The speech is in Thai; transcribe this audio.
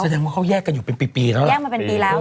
แสดงว่าเขาแยกกันอยู่เป็นปีแล้ว